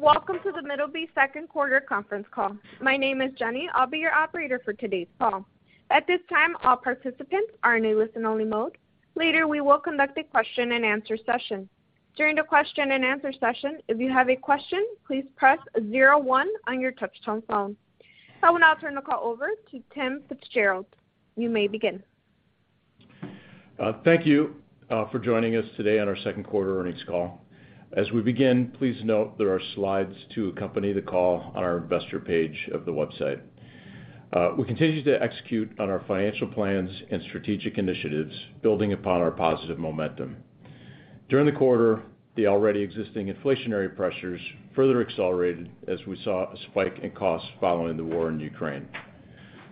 Welcome to The Middleby second quarter conference call. My name is Jenny. I'll be your operator for today's call. At this time, all participants are in a listen-only mode. Later, we will conduct a question-and-answer session. During the question-and-answer session, if you have a question, please press zero one on your touch-tone phone. I will now turn the call over to Tim FitzGerald. You may begin. Thank you for joining us today on our second quarter earnings call. As we begin, please note there are slides to accompany the call on our investor page of the website. We continue to execute on our financial plans and strategic initiatives, building upon our positive momentum. During the quarter, the already existing inflationary pressures further accelerated as we saw a spike in costs following the war in Ukraine.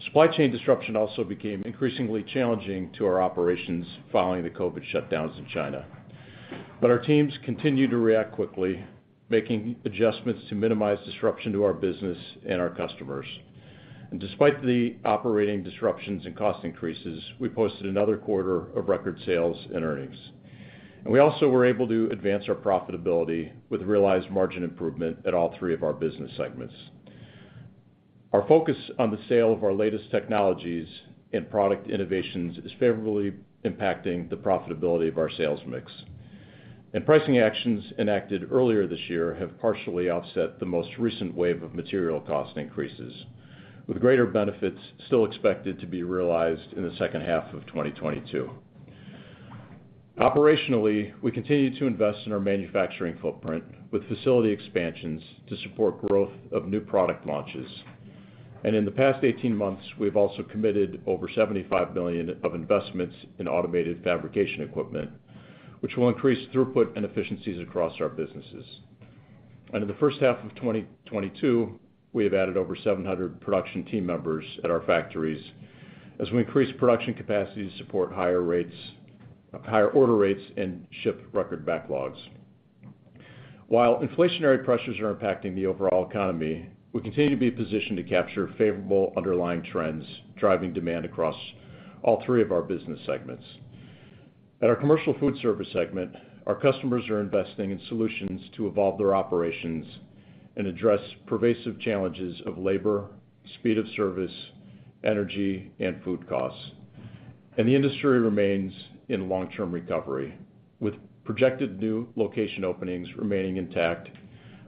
Supply chain disruption also became increasingly challenging to our operations following the COVID shutdowns in China. Our teams continued to react quickly, making adjustments to minimize disruption to our business and our customers. Despite the operating disruptions and cost increases, we posted another quarter of record sales and earnings. We also were able to advance our profitability with realized margin improvement at all three of our business segments. Our focus on the sale of our latest technologies and product innovations is favorably impacting the profitability of our sales mix. Pricing actions enacted earlier this year have partially offset the most recent wave of material cost increases, with greater benefits still expected to be realized in the second half of 2022. Operationally, we continue to invest in our manufacturing footprint with facility expansions to support growth of new product launches. In the past 18 months, we've also committed over $75 million of investments in automated fabrication equipment, which will increase throughput and efficiencies across our businesses. In the first half of 2022, we have added over 700 production team members at our factories as we increase production capacity to support higher order rates and ship record backlogs. While inflationary pressures are impacting the overall economy, we continue to be positioned to capture favorable underlying trends, driving demand across all three of our business segments. At our commercial food service segment, our customers are investing in solutions to evolve their operations and address pervasive challenges of labor, speed of service, energy, and food costs. The industry remains in long-term recovery, with projected new location openings remaining intact,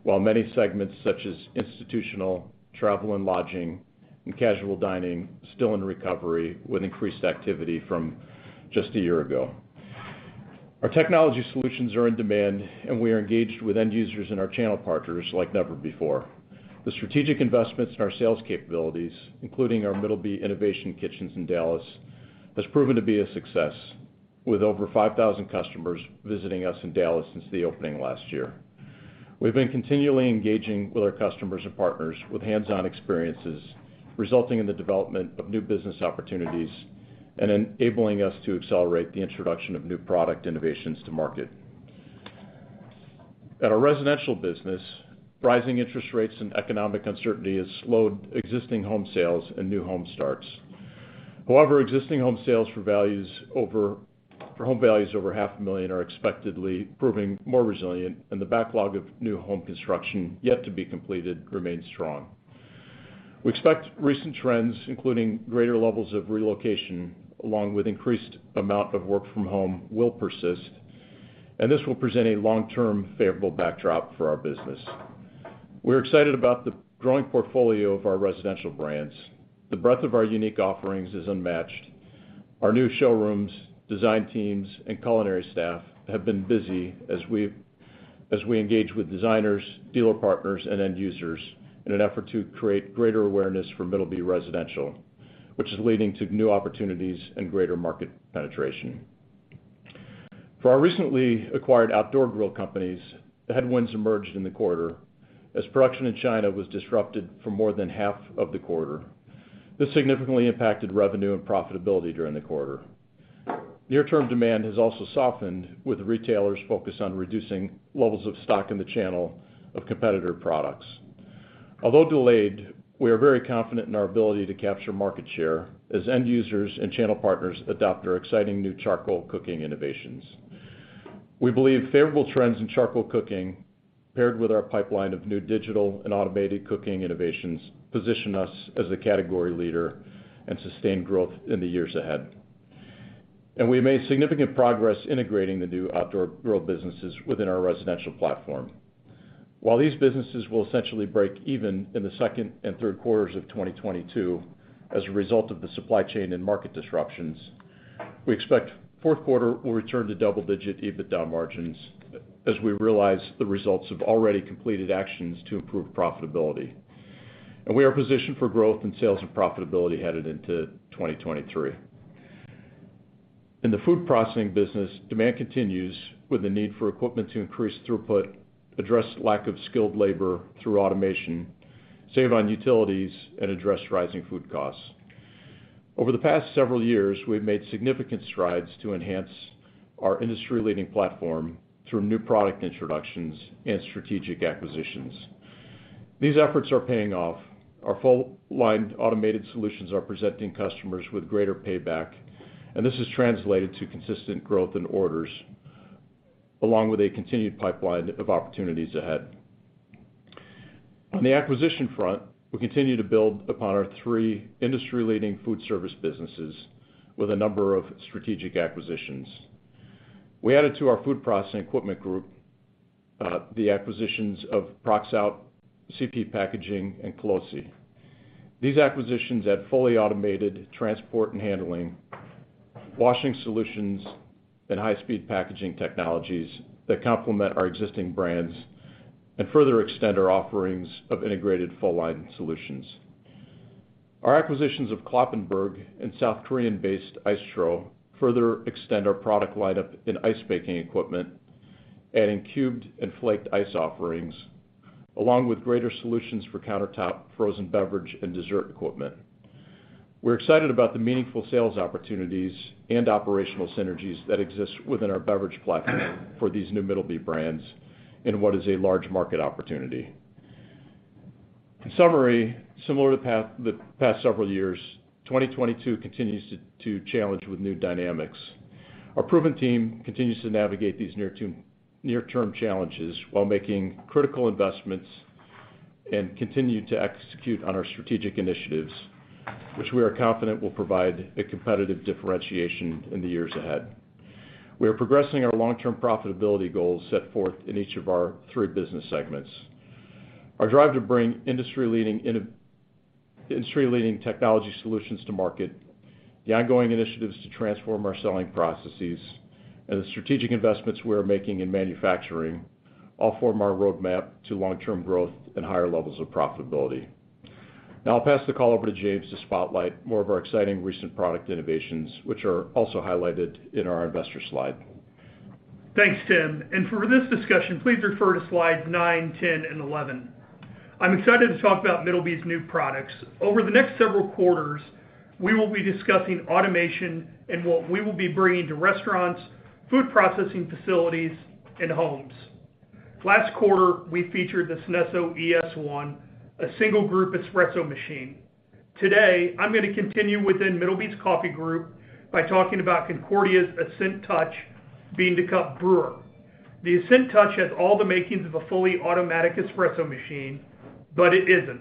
while many segments such as institutional, travel and lodging, and casual dining still in recovery with increased activity from just a year ago. Our technology solutions are in demand, and we are engaged with end users and our channel partners like never before. The strategic investments in our sales capabilities, including our Middleby Innovation Kitchens in Dallas, has proven to be a success, with over 5,000 customers visiting us in Dallas since the opening last year. We've been continually engaging with our customers and partners with hands-on experiences, resulting in the development of new business opportunities and enabling us to accelerate the introduction of new product innovations to market. At our residential business, rising interest rates and economic uncertainty has slowed existing home sales and new home starts. However, existing home sales for home values over $500,000 are expectedly proving more resilient, and the backlog of new home construction yet to be completed remains strong. We expect recent trends, including greater levels of relocation, along with increased amount of work from home, will persist, and this will present a long-term favorable backdrop for our business. We're excited about the growing portfolio of our residential brands. The breadth of our unique offerings is unmatched. Our new showrooms, design teams, and culinary staff have been busy as we engage with designers, dealer partners, and end users in an effort to create greater awareness for Middleby Residential, which is leading to new opportunities and greater market penetration. For our recently acquired outdoor grill companies, the headwinds emerged in the quarter as production in China was disrupted for more than half of the quarter. This significantly impacted revenue and profitability during the quarter. Near-term demand has also softened with retailers focused on reducing levels of stock in the channel of competitor products. Although delayed, we are very confident in our ability to capture market share as end users and channel partners adopt our exciting new charcoal cooking innovations. We believe favorable trends in charcoal cooking paired with our pipeline of new digital and automated cooking innovations position us as a category leader and sustain growth in the years ahead. We made significant progress integrating the new outdoor grill businesses within our residential platform. While these businesses will essentially break even in the second and third quarters of 2022 as a result of the supply chain and market disruptions, we expect fourth quarter will return to double-digit EBITDA margins as we realize the results of already completed actions to improve profitability. We are positioned for growth in sales and profitability headed into 2023. In the food processing business, demand continues with the need for equipment to increase throughput, address lack of skilled labor through automation, save on utilities, and address rising food costs. Over the past several years, we have made significant strides to enhance our industry-leading platform through new product introductions and strategic acquisitions. These efforts are paying off. Our full line automated solutions are presenting customers with greater payback, and this has translated to consistent growth in orders, along with a continued pipeline of opportunities ahead. On the acquisition front, we continue to build upon our three industry-leading foodservice businesses with a number of strategic acquisitions. We added to our food processing equipment group, the acquisitions of Proxaut, CP Packaging, and Colussi Ermes. These acquisitions add fully automated transport and handling, washing solutions, and high-speed packaging technologies that complement our existing brands and further extend our offerings of integrated full line solutions. Our acquisitions of Kloppenberg and South Korean-based ICETRO further extend our product lineup in ice-making equipment and in cubed and flaked ice offerings, along with greater solutions for countertop frozen beverage and dessert equipment. We're excited about the meaningful sales opportunities and operational synergies that exist within our beverage platform for these new Middleby brands in what is a large market opportunity. In summary, similar to the past several years, 2022 continues to challenge with new dynamics. Our proven team continues to navigate these near-term challenges while making critical investments and continue to execute on our strategic initiatives, which we are confident will provide a competitive differentiation in the years ahead. We are progressing our long-term profitability goals set forth in each of our three business segments. Our drive to bring industry-leading technology solutions to market, the ongoing initiatives to transform our selling processes, and the strategic investments we are making in manufacturing all form our roadmap to long-term growth and higher levels of profitability. Now I'll pass the call over to James to spotlight more of our exciting recent product innovations, which are also highlighted in our investor slide. Thanks, Tim. For this discussion, please refer to slides 9, 10, and 11. I'm excited to talk about Middleby's new products. Over the next several quarters, we will be discussing automation and what we will be bringing to restaurants, food processing facilities, and homes. Last quarter, we featured the Synesso ES1, a single group espresso machine. Today, I'm gonna continue within Middleby's coffee group by talking about Concordia's Ascent Touch bean-to-cup brewer. The Ascent Touch has all the makings of a fully automatic espresso machine, but it isn't.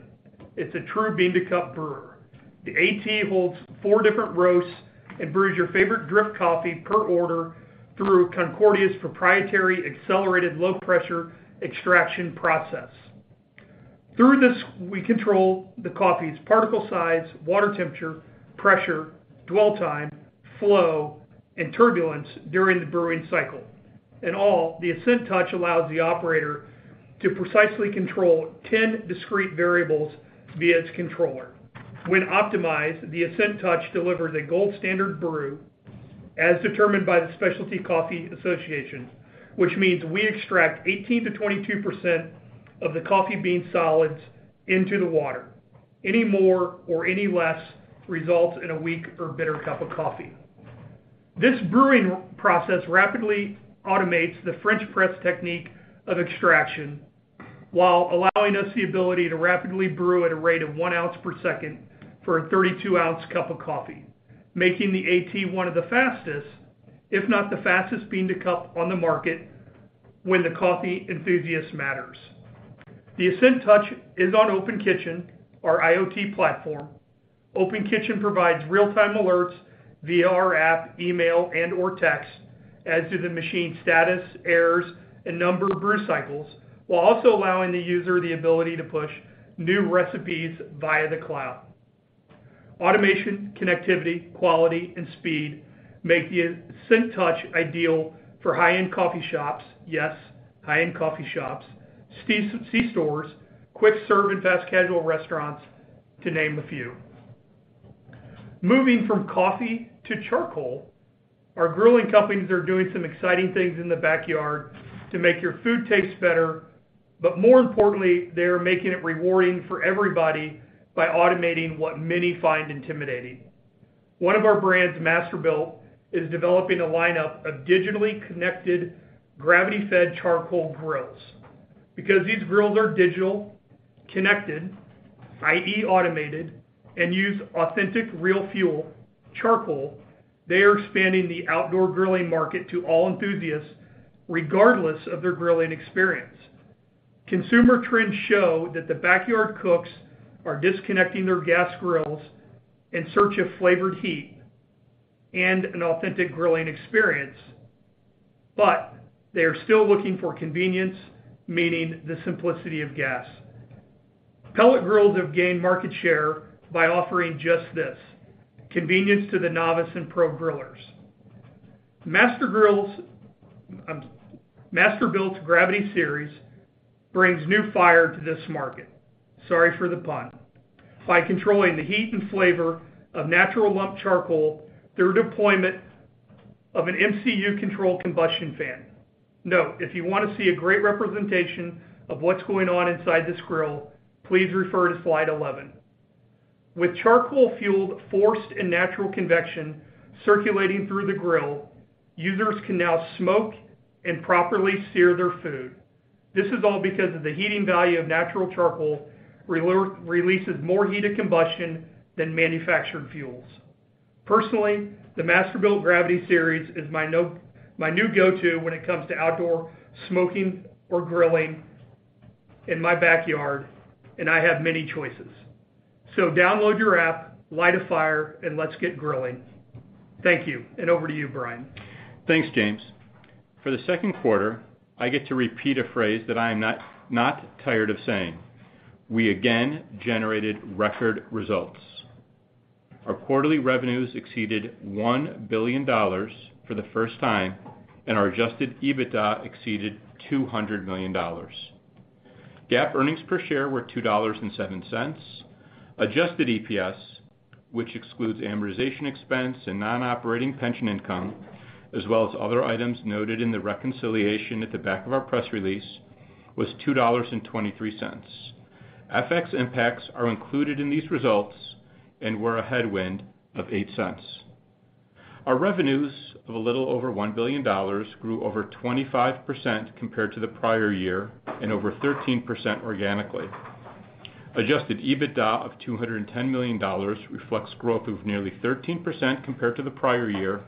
It's a true bean-to-cup brewer. The AT holds four different roasts and brews your favorite drip coffee per order through Concordia's proprietary accelerated low-pressure extraction process. Through this, we control the coffee's particle size, water temperature, pressure, dwell time, flow, and turbulence during the brewing cycle. In all, the Ascent Touch allows the operator to precisely control 10 discrete variables via its controller. When optimized, the Ascent Touch delivers a gold standard brew as determined by the Specialty Coffee Association, which means we extract 18%-22% of the coffee bean solids into the water. Any more or any less results in a weak or bitter cup of coffee. This brewing process rapidly automates the French press technique of extraction while allowing us the ability to rapidly brew at a rate of 1 ounce per second for a 32-ounce cup of coffee, making the AT one of the fastest, if not the fastest bean-to-cup on the market when the coffee enthusiast matters. The Ascent Touch is on Open Kitchen, our IoT platform. Open Kitchen provides real-time alerts via our app, email, and/or text as to the machine status, errors, and number of brew cycles, while also allowing the user the ability to push new recipes via the cloud. Automation, connectivity, quality, and speed make the Ascent Touch ideal for high-end coffee shops, yes, high-end coffee shops, C-stores, quick serve and fast casual restaurants, to name a few. Moving from coffee to charcoal, our grilling companies are doing some exciting things in the backyard to make your food taste better, but more importantly, they are making it rewarding for everybody by automating what many find intimidating. One of our brands, Masterbuilt, is developing a lineup of digitally connected gravity-fed charcoal grills. Because these grills are digital, connected, i.e. automated, and use authentic real fuel, charcoal, they are expanding the outdoor grilling market to all enthusiasts regardless of their grilling experience. Consumer trends show that the backyard cooks are disconnecting their gas grills in search of flavored heat and an authentic grilling experience, but they are still looking for convenience, meaning the simplicity of gas. Pellet grills have gained market share by offering just this, convenience to the novice and pro grillers. Masterbuilt's Gravity Series brings new fire to this market, sorry for the pun, by controlling the heat and flavor of natural lump charcoal through deployment of an MCU control combustion fan. Note, if you wanna see a great representation of what's going on inside this grill, please refer to slide 11. With charcoal fueled forced and natural convection circulating through the grill, users can now smoke and properly sear their food. This is all because of the heating value of natural charcoal releases more heat of combustion than manufactured fuels. Personally, the Masterbuilt Gravity Series is my new go-to when it comes to outdoor smoking or grilling in my backyard, and I have many choices. Download your app, light a fire, and let's get grilling. Thank you. Over to you, Bryan. Thanks, James. For the second quarter, I get to repeat a phrase that I am not tired of saying: we again generated record results. Our quarterly revenues exceeded $1 billion for the first time, and our adjusted EBITDA exceeded $200 million. GAAP earnings per share were $2.07. Adjusted EPS, which excludes amortization expense and non-operating pension income, as well as other items noted in the reconciliation at the back of our press release, was $2.23. FX impacts are included in these results and were a headwind of $0.08. Our revenues of a little over $1 billion grew over 25% compared to the prior year and over 13% organically. Adjusted EBITDA of $210 million reflects growth of nearly 13% compared to the prior year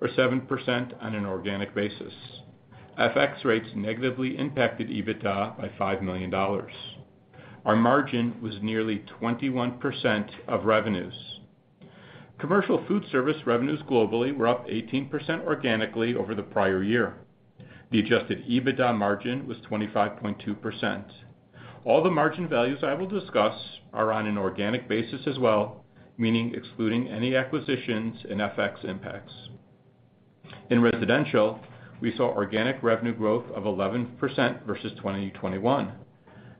or 7% on an organic basis. FX rates negatively impacted EBITDA by $5 million. Our margin was nearly 21% of revenues. Commercial food service revenues globally were up 18% organically over the prior year. The adjusted EBITDA margin was 25.2%. All the margin values I will discuss are on an organic basis as well, meaning excluding any acquisitions and FX impacts. In Residential, we saw organic revenue growth of 11% versus 2021.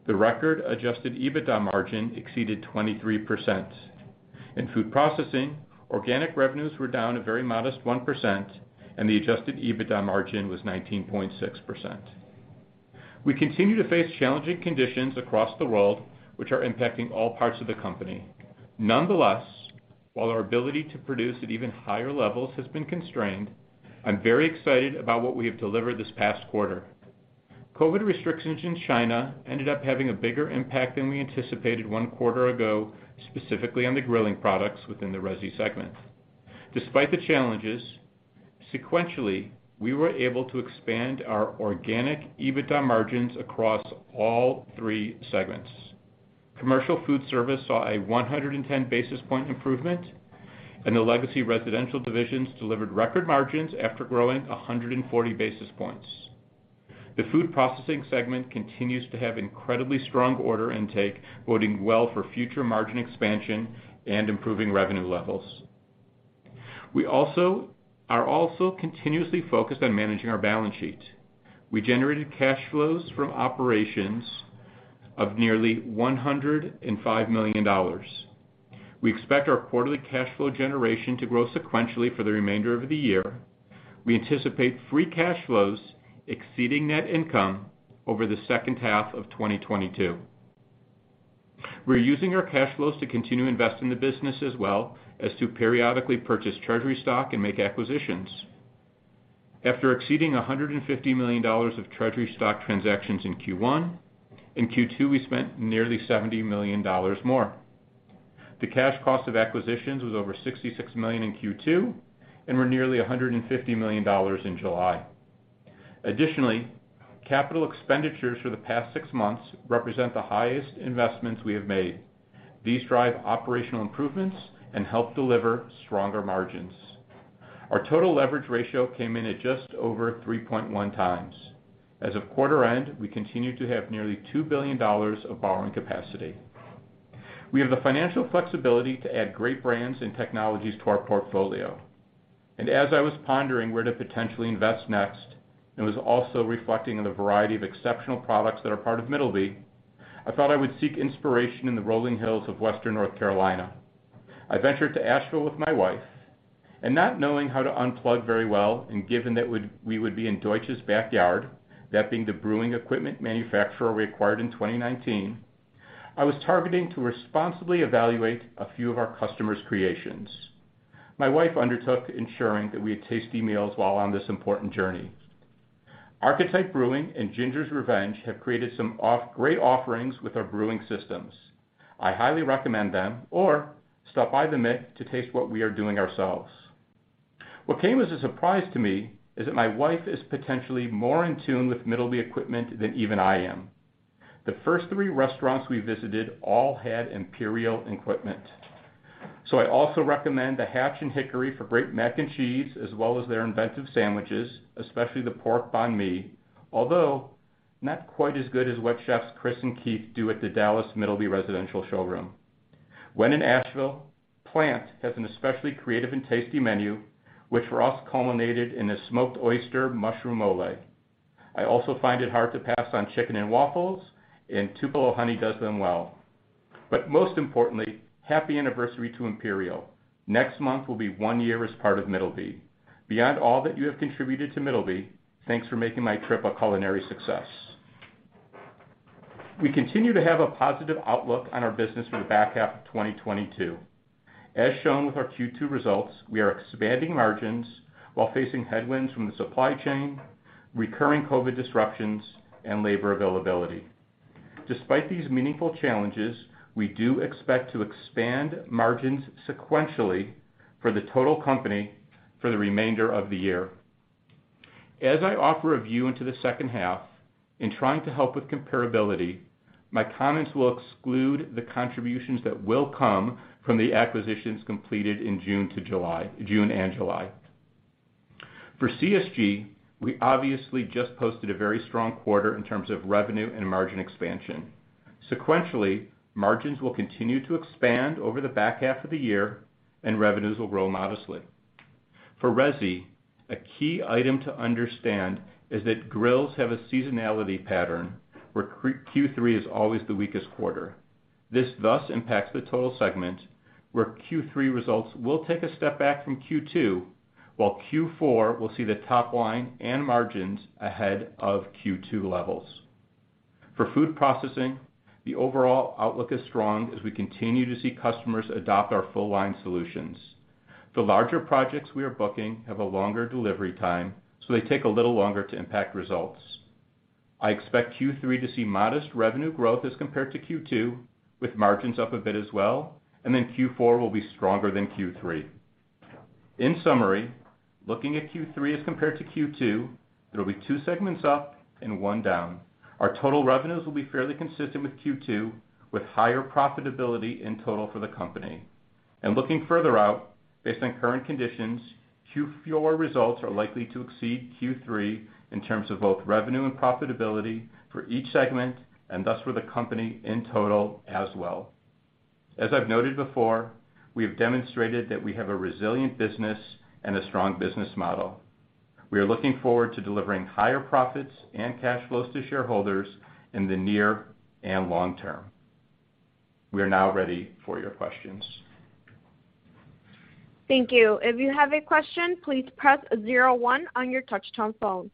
The record adjusted EBITDA margin exceeded 23%. In food processing, organic revenues were down a very modest 1%, and the adjusted EBITDA margin was 19.6%. We continue to face challenging conditions across the world, which are impacting all parts of the company. Nonetheless, while our ability to produce at even higher levels has been constrained, I'm very excited about what we have delivered this past quarter. COVID restrictions in China ended up having a bigger impact than we anticipated one quarter ago, specifically on the grilling products within the resi segment. Despite the challenges, sequentially, we were able to expand our organic EBITDA margins across all three segments. Commercial food service saw a 110 basis points improvement, and the legacy residential divisions delivered record margins after growing 140 basis points. The food processing segment continues to have incredibly strong order intake, boding well for future margin expansion and improving revenue levels. We are also continuously focused on managing our balance sheet. We generated cash flows from operations of nearly $105 million. We expect our quarterly cash flow generation to grow sequentially for the remainder of the year. We anticipate free cash flows exceeding net income over the second half of 2022. We're using our cash flows to continue to invest in the business as well as to periodically purchase treasury stock and make acquisitions. After exceeding $150 million of treasury stock transactions in Q1, in Q2, we spent nearly $70 million more. The cash cost of acquisitions was over $66 million in Q2 and were nearly $150 million in July. Additionally, capital expenditures for the past six months represent the highest investments we have made. These drive operational improvements and help deliver stronger margins. Our total leverage ratio came in at just over 3.1x. As of quarter end, we continue to have nearly $2 billion of borrowing capacity. We have the financial flexibility to add great brands and technologies to our portfolio. As I was pondering where to potentially invest next and was also reflecting on the variety of exceptional products that are part of Middleby, I thought I would seek inspiration in the rolling hills of Western North Carolina. I ventured to Asheville with my wife, and not knowing how to unplug very well and given that we would be in Deutsche Beverage Technology's backyard, that being the brewing equipment manufacturer we acquired in 2019, I was targeting to responsibly evaluate a few of our customers' creations. My wife undertook ensuring that we had tasty meals while on this important journey. Archetype Brewing and Ginger's Revenge have created some great offerings with our brewing systems. I highly recommend them, or stop by the MIK to taste what we are doing ourselves. What came as a surprise to me is that my wife is potentially more in tune with Middleby equipment than even I am. The first three restaurants we visited all had Imperial equipment. I also recommend the Hatch and Hickory for great mac and cheese as well as their inventive sandwiches, especially the pork banh mi, although not quite as good as what chefs Chris and Keith do at the Dallas Middleby Residential showroom. When in Asheville, Plant has an especially creative and tasty menu, which for us culminated in a smoked oyster mushroom mole. I also find it hard to pass on chicken and waffles, and Tupelo Honey does them well. Most importantly, happy anniversary to Imperial. Next month will be one year as part of Middleby. Beyond all that you have contributed to Middleby, thanks for making my trip a culinary success. We continue to have a positive outlook on our business for the back half of 2022. As shown with our Q2 results, we are expanding margins while facing headwinds from the supply chain, recurring COVID disruptions, and labor availability. Despite these meaningful challenges, we do expect to expand margins sequentially for the total company for the remainder of the year. As I offer a view into the second half in trying to help with comparability, my comments will exclude the contributions that will come from the acquisitions completed in June and July. For CSG, we obviously just posted a very strong quarter in terms of revenue and margin expansion. Sequentially, margins will continue to expand over the back half of the year and revenues will grow modestly. For Residential, a key item to understand is that grills have a seasonality pattern where Q3 is always the weakest quarter. This thus impacts the total segment where Q3 results will take a step back from Q2, while Q4 will see the top line and margins ahead of Q2 levels. For food processing, the overall outlook is strong as we continue to see customers adopt our full line solutions. The larger projects we are booking have a longer delivery time, so they take a little longer to impact results. I expect Q3 to see modest revenue growth as compared to Q2, with margins up a bit as well, and then Q4 will be stronger than Q3. In summary, looking at Q3 as compared to Q2, there will be two segments up and one down. Our total revenues will be fairly consistent with Q2, with higher profitability in total for the company. Looking further out, based on current conditions, Q4 results are likely to exceed Q3 in terms of both revenue and profitability for each segment, and thus for the company in total as well. As I've noted before, we have demonstrated that we have a resilient business and a strong business model. We are looking forward to delivering higher profits and cash flows to shareholders in the near and long term. We are now ready for your questions. Thank you. If you have a question, please press zero one on your touch-tone phone.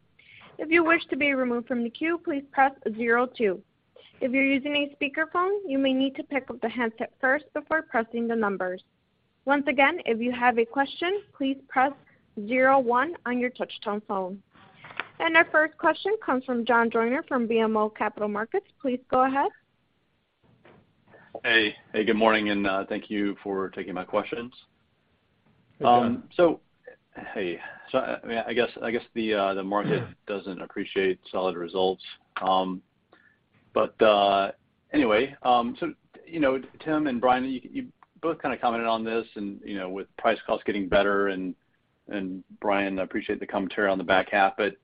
If you wish to be removed from the queue, please press zero two. If you're using a speakerphone, you may need to pick up the handset first before pressing the numbers. Once again, if you have a question, please press zero one on your touch-tone phone. Our first question comes from John Joyner from BMO Capital Markets. Please go ahead. Hey. Hey, good morning, and, thank you for taking my questions. Good. I guess the market doesn't appreciate solid results. You know, Tim and Bryan, you both kinda commented on this and, you know, with price costs getting better, and Bryan, I appreciate the commentary on the back half, but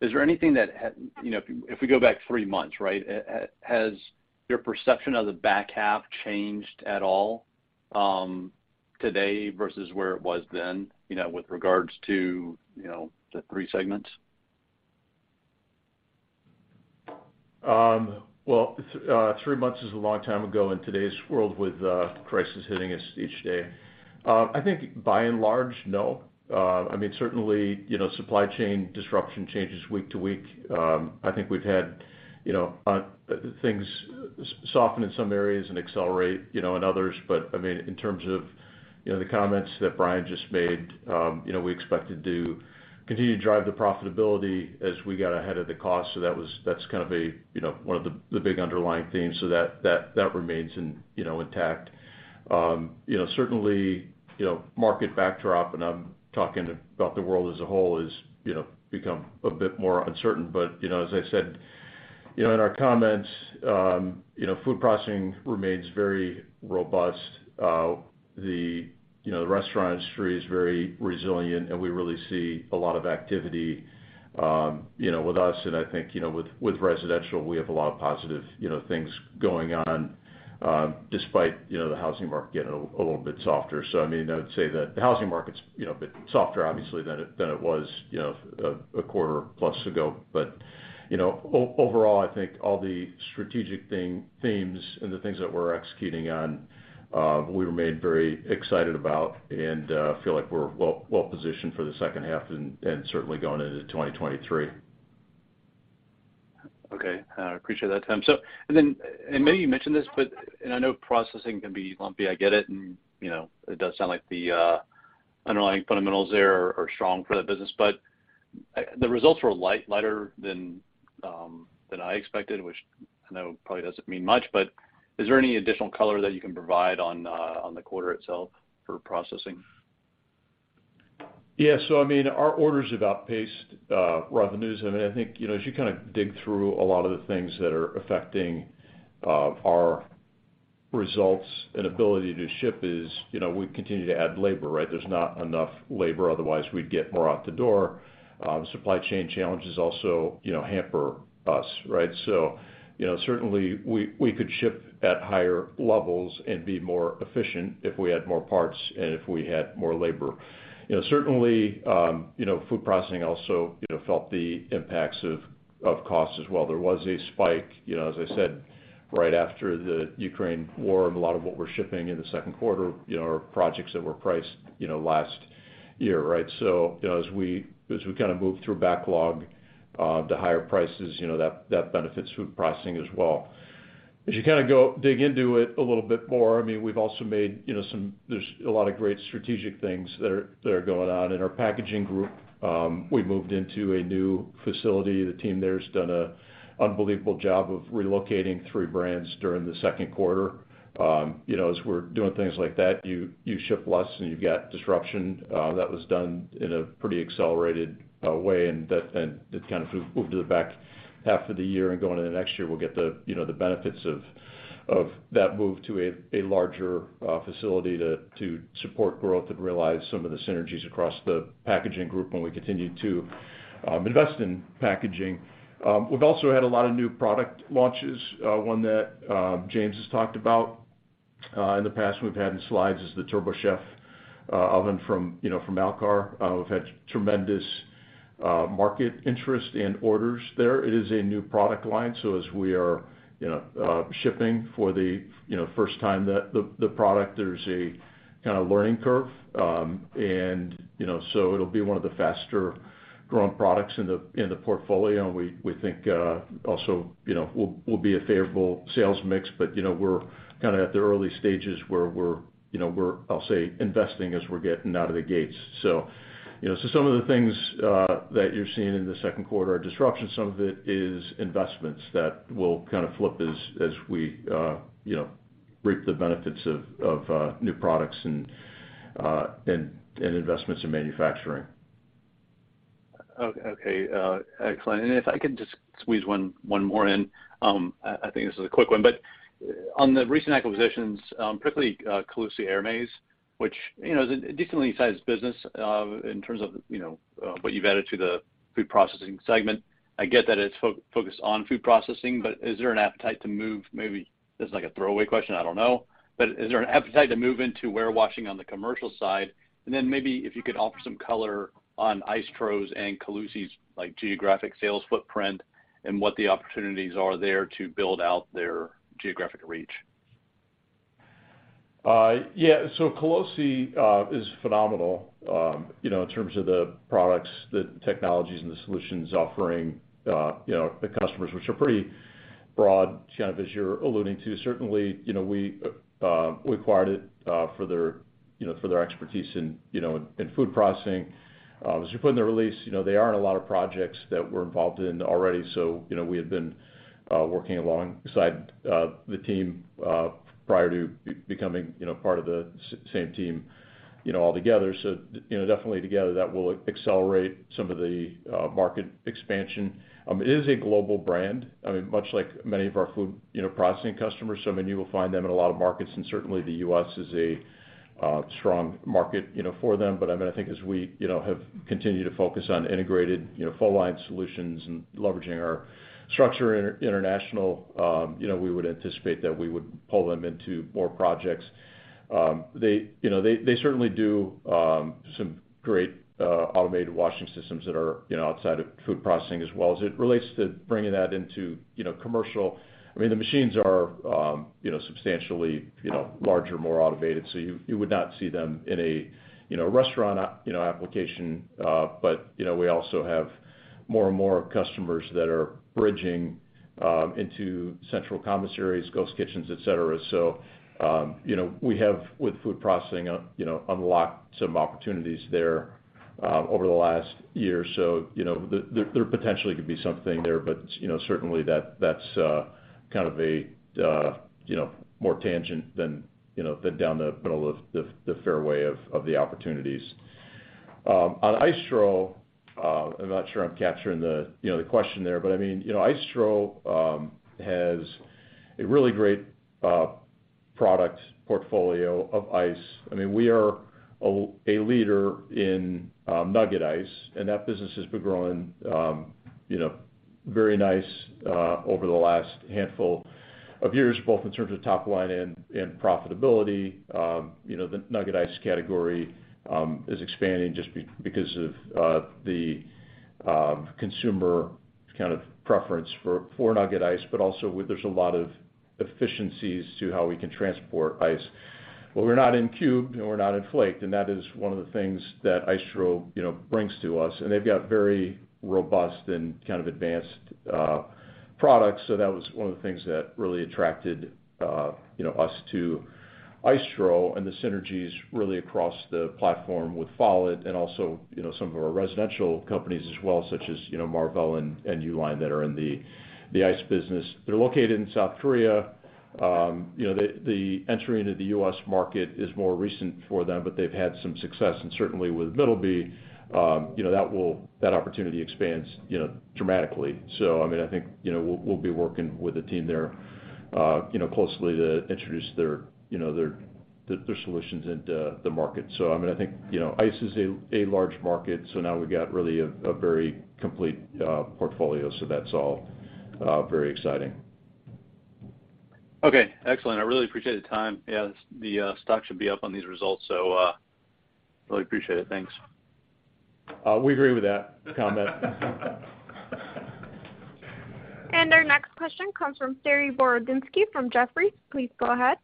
is there anything that you know, if we go back three months, right, has your perception of the back half changed at all, today versus where it was then, you know, with regards to, you know, the three segments? Well, three months is a long time ago in today's world with crisis hitting us each day. I think by and large, no. I mean, certainly, you know, supply chain disruption changes week to week. I think we've had, you know, things soften in some areas and accelerate, you know, in others. I mean, in terms of, you know, the comments that Bryan just made, you know, we expect to continue to drive the profitability as we got ahead of the cost. So that's kind of a, you know, one of the big underlying themes. So that remains, you know, intact. Certainly, you know, market backdrop, and I'm talking about the world as a whole, is, you know, become a bit more uncertain. you know, as I said, you know, in our comments, you know, food processing remains very robust. you know, the restaurant industry is very resilient, and we really see a lot of activity, you know, with us. And I think, you know, with Residential, we have a lot of positive, you know, things going on, despite, you know, the housing market getting a little bit softer. I mean, I would say that the housing market's, you know, a bit softer obviously than it was, you know, a quarter plus ago. you know, overall, I think all the strategic themes and the things that we're executing on, we remain very excited about and feel like we're well positioned for the second half and certainly going into 2023. Okay. I appreciate that, Tim. Maybe you mentioned this, but I know processing can be lumpy. I get it, and you know, it does sound like the underlying fundamentals there are strong for that business. The results were lighter than I expected, which I know probably doesn't mean much, but is there any additional color that you can provide on the quarter itself for processing? Yeah. I mean, our orders have outpaced revenues. I mean, I think, you know, as you kinda dig through a lot of the things that are affecting our results and ability to ship is, you know, we continue to add labor, right? There's not enough labor, otherwise we'd get more out the door. Supply chain challenges also, you know, hamper us, right? You know, certainly we could ship at higher levels and be more efficient if we had more parts and if we had more labor. You know, certainly food processing also, you know, felt the impacts of cost as well. There was a spike, you know, as I said, right after the Ukraine war, and a lot of what we're shipping in the second quarter, you know, are projects that were priced, you know, last year, right? You know, as we kind of move through backlog to higher prices, you know, that benefits food pricing as well. As you kind of dig into it a little bit more, I mean, there's a lot of great strategic things that are going on in our packaging group. We've moved into a new facility. The team there has done an unbelievable job of relocating three brands during the second quarter. You know, as we're doing things like that, you ship less and you get disruption. That was done in a pretty accelerated way, and it kind of moved to the back half of the year. Going into next year, we'll get the benefits of that move to a larger facility to support growth and realize some of the synergies across the packaging group when we continue to invest in packaging. We've also had a lot of new product launches. One that James has talked about in the past, we've had in slides is the TurboChef oven from Alkar. We've had tremendous market interest and orders there. It is a new product line, so as we are shipping for the first time the product, there's a kind of learning curve. It'll be one of the faster growing products in the portfolio. We think also you know will be a favorable sales mix. You know, we're kind of at the early stages where we're, I'll say, investing as we're getting out of the gates. You know, some of the things that you're seeing in the second quarter are disruption. Some of it is investments that will kind of flip as we you know reap the benefits of new products and investments in manufacturing. Okay. Excellent. If I could just squeeze one more in, I think this is a quick one. On the recent acquisitions, particularly Colussi Ermes, which, you know, is a decently sized business, in terms of, you know, what you've added to the food processing segment. I get that it's focused on food processing, but is there an appetite to move maybe. This is like a throwaway question, I don't know. Is there an appetite to move into warewashing on the commercial side? Then maybe if you could offer some color on ICETRO and Colussi Ermes's, like, geographic sales footprint and what the opportunities are there to build out their geographic reach. Yeah. Colussi is phenomenal, you know, in terms of the products, the technologies, and the solutions offering, you know, the customers, which are pretty broad, kind of as you're alluding to. Certainly, you know, we acquired it for their expertise in food processing. As you put in the release, you know, they are in a lot of projects that we're involved in already, so, you know, we have been working alongside the team prior to becoming, you know, part of the same team, you know, all together. You know, definitely together, that will accelerate some of the market expansion. It is a global brand, I mean, much like many of our food processing customers. I mean, you will find them in a lot of markets, and certainly the U.S. is a strong market, you know, for them. I mean, I think as we, you know, have continued to focus on integrated, you know, full line solutions and leveraging our structure in international, you know, we would anticipate that we would pull them into more projects. They, you know, certainly do some great automated washing systems that are, you know, outside of food processing as well as it relates to bringing that into, you know, commercial. I mean, the machines are, you know, substantially, you know, larger, more automated, so you would not see them in a, you know, restaurant, you know, application. You know, we also have more and more customers that are bridging into central commissaries, ghost kitchens, et cetera. You know, we have, with food processing, you know, unlocked some opportunities there over the last year. You know, there potentially could be something there. You know, certainly that's kind of a you know, more tangent than, you know, than down the middle of the fairway of the opportunities. On ICETRO, I'm not sure I'm capturing the you know, the question there, but I mean, you know, ICETRO has a really great product portfolio of ice. I mean, we are a leader in nugget ice, and that business has been growing, you know, very nice over the last handful of years, both in terms of top line and profitability. You know, the nugget ice category is expanding just because of the consumer kind of preference for nugget ice. But also there's a lot of efficiencies to how we can transport ice. But we're not in cubed and we're not in flaked, and that is one of the things that ICETRO, you know, brings to us. They've got very robust and kind of advanced products. That was one of the things that really attracted, you know, us to ICETRO and the synergies really across the platform with Follett and also, you know, some of our residential companies as well, such as, you know, Marvel and U-Line that are in the ice business. They're located in South Korea. You know, the entry into the U.S. market is more recent for them, but they've had some success. Certainly with Middleby, you know, that opportunity expands, you know, dramatically. I mean, I think, you know, we'll be working with the team there, you know, closely to introduce their solutions into the market. I mean, I think, you know, ice is a large market, so now we've got really a very complete portfolio. That's all, very exciting. Okay, excellent. I really appreciate the time. Yeah, the stock should be up on these results, so really appreciate it. Thanks. We agree with that comment. Our next question comes from Saree Boroditsky from Jefferies. Please go ahead.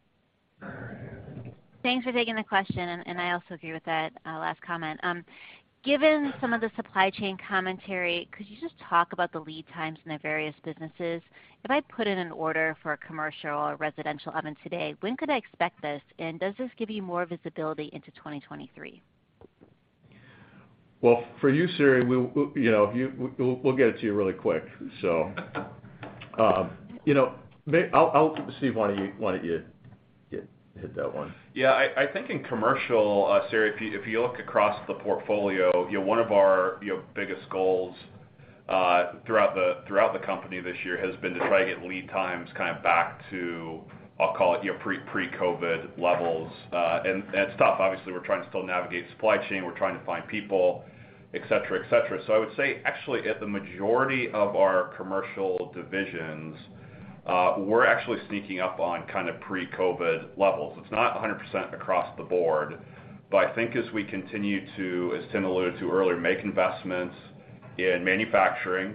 Thanks for taking the question, and I also agree with that last comment. Given some of the supply chain commentary, could you just talk about the lead times in the various businesses? If I put in an order for a commercial or residential oven today, when could I expect this? Does this give you more visibility into 2023? Well, for you, Saree, you know, we'll get it to you really quick. You know, Steve, why don't you hit that one? Yeah. I think in commercial, Saree, if you look across the portfolio, you know, one of our biggest goals throughout the company this year has been to try to get lead times kind of back to, I'll call it, pre-COVID levels. It's tough. Obviously, we're trying to still navigate supply chain. We're trying to find people, et cetera. I would say, actually, at the majority of our commercial divisions, we're actually sneaking up on kind of pre-COVID levels. It's not 100% across the board, but I think as we continue to, as Tim alluded to earlier, make investments in manufacturing,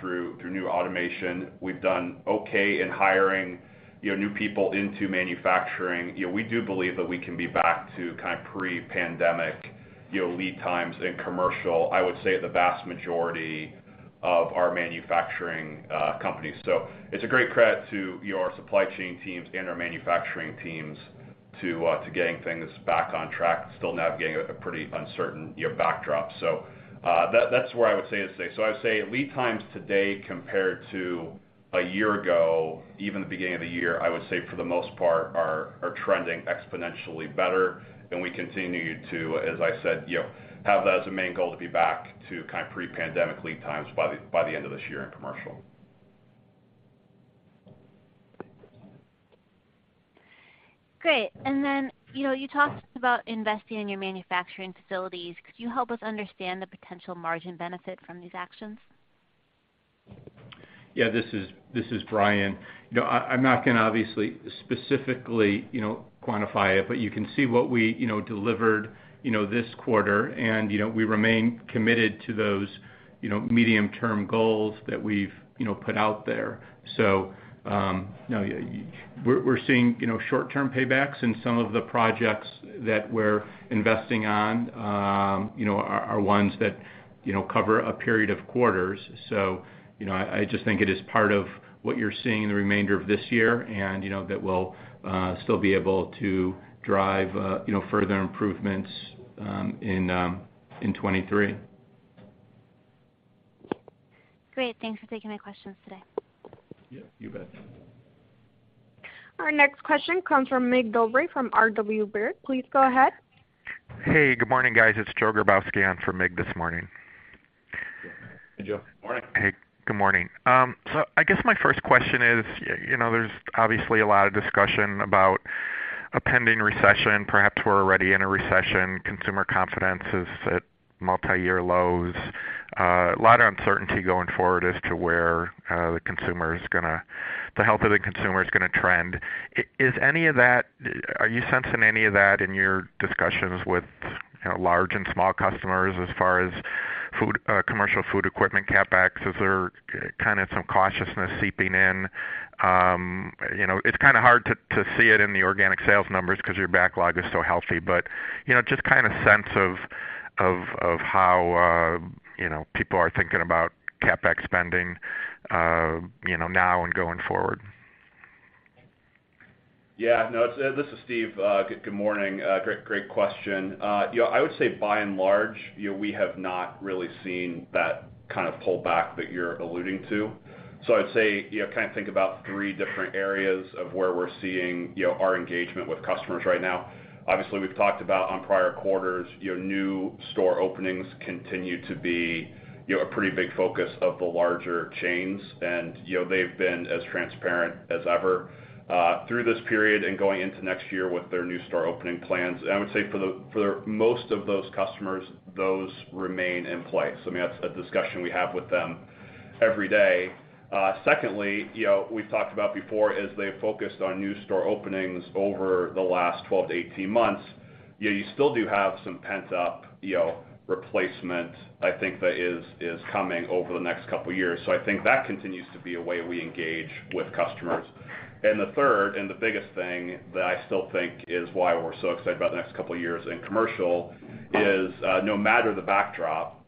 through new automation, we've done okay in hiring new people into manufacturing. You know, we do believe that we can be back to kind of pre-pandemic, you know, lead times in commercial. I would say, the vast majority of our manufacturing companies. It's a great credit to our supply chain teams and our manufacturing teams to getting things back on track, still navigating a pretty uncertain, you know, backdrop. That's where I would say is safe. I would say lead times today compared to a year ago, even the beginning of the year, I would say for the most part are trending exponentially better. We continue to, as I said, you know, have that as a main goal to be back to kind of pre-pandemic lead times by the end of this year in commercial. Great. You know, you talked about investing in your manufacturing facilities. Could you help us understand the potential margin benefit from these actions? Yeah. This is Bryan. You know, I'm not gonna obviously specifically, you know, quantify it, but you can see what we, you know, delivered, you know, this quarter. We remain committed to those, you know, medium-term goals that we've, you know, put out there. You know, we're seeing, you know, short-term paybacks in some of the projects that we're investing in, you know, are ones that, you know, cover a period of quarters. You know, I just think it is part of what you're seeing in the remainder of this year and, you know, that we'll still be able to drive, you know, further improvements in 2023. Great. Thanks for taking my questions today. Yeah, you bet. Our next question comes from Mig Dobre from RW Baird. Please go ahead. Hey, good morning, guys. It's Joe Grabowski on for Mig this morning. Hey, Joe. Morning. Hey, good morning. I guess my first question is, you know, there's obviously a lot of discussion about a pending recession. Perhaps we're already in a recession. Consumer confidence is at multi-year lows. A lot of uncertainty going forward as to where the health of the consumer is gonna trend. Is any of that? Are you sensing any of that in your discussions with, you know, large and small customers as far as food commercial food equipment CapEx? Is there kinda some cautiousness seeping in? You know, it's kinda hard to see it in the organic sales numbers because your backlog is so healthy. You know, just kind of sense of how, you know, people are thinking about CapEx spending, you know, now and going forward. Yeah. No. This is Steve. Good morning. Great question. You know, I would say by and large, you know, we have not really seen that kind of pullback that you're alluding to. I'd say, you know, kind of think about three different areas of where we're seeing, you know, our engagement with customers right now. Obviously, we've talked about on prior quarters, you know, new store openings continue to be, you know, a pretty big focus of the larger chains. You know, they've been as transparent as ever, through this period and going into next year with their new store opening plans. I would say for the most of those customers, those remain in place. I mean, that's a discussion we have with them every day. Secondly, you know, we've talked about before, as they focused on new store openings over the last 12-18 months, you know, you still do have some pent-up, you know, replacement, I think that is coming over the next couple of years. I think that continues to be a way we engage with customers. The third and the biggest thing that I still think is why we're so excited about the next couple of years in commercial is, no matter the backdrop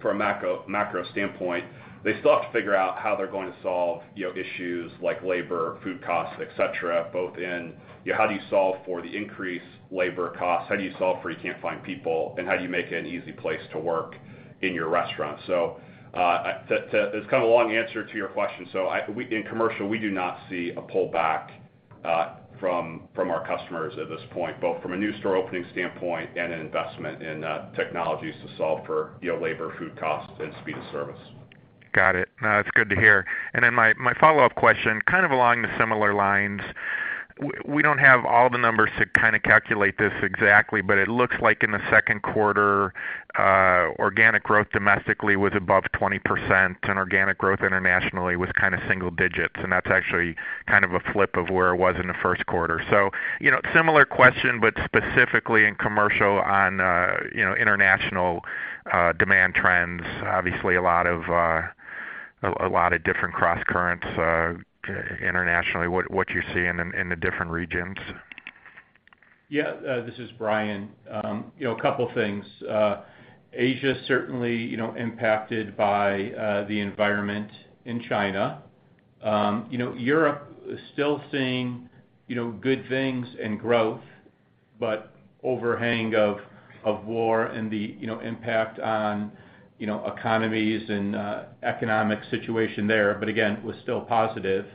from a macro standpoint, they still have to figure out how they're going to solve, you know, issues like labor, food costs, et cetera, both in, you know, how do you solve for the increased labor costs? How do you solve for you can't find people? And how do you make it an easy place to work in your restaurant? It's kind of a long answer to your question. We in commercial, we do not see a pullback from our customers at this point, both from a new store opening standpoint and an investment in technologies to solve for, you know, labor, food costs, and speed of service. Got it. No, it's good to hear. My follow-up question, kind of along the similar lines. We don't have all the numbers to kind of calculate this exactly, but it looks like in the second quarter, organic growth domestically was above 20%, and organic growth internationally was kind of single digits. That's actually kind of a flip of where it was in the first quarter. You know, similar question, but specifically in commercial on, you know, international demand trends. Obviously, a lot of, a lot of different cross currents, internationally. What you see in the different regions? Yeah. This is Bryan. You know, a couple things. Asia certainly, you know, impacted by the environment in China. You know, Europe is still seeing, you know, good things and growth, but overhanging of war and the, you know, impact on, you know, economies and economic situation there, but again, was still positive.